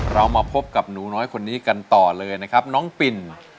เรามาพบกับหนูน้อยคนนี้กันต่อเลยนะครับน้องปิ่น